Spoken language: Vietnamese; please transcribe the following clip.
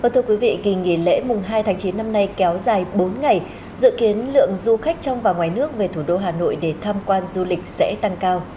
thưa quý vị kỳ nghỉ lễ mùng hai tháng chín năm nay kéo dài bốn ngày dự kiến lượng du khách trong và ngoài nước về thủ đô hà nội để tham quan du lịch sẽ tăng cao